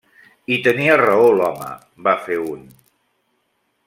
-I tenia raó, l'home!- va fer un.